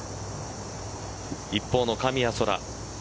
一方の神谷そら。